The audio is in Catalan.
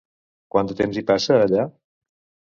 Quant de temps hi passa allà?